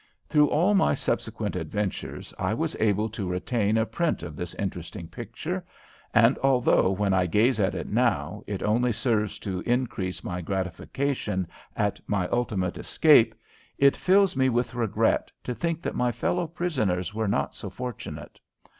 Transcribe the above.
Through all my subsequent adventures I was able to retain a print of this interesting picture, and although when I gaze at it now it only serves to increase my gratification at my ultimate escape, it fills me with regret to think that my fellow prisoners were not so fortunate.